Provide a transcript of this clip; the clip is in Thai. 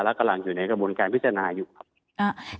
และกำลังอยู่ในกระบวนการพิจารณาอยู่ครับ